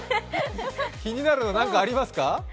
気になるの何かありますか？